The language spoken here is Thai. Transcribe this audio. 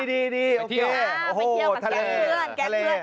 ได้ที่หอไปเคี้ยวกับแก่เบื้อง